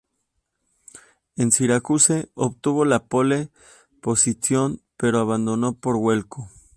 En Syracuse obtuvo la pole position pero abandonó por vuelco.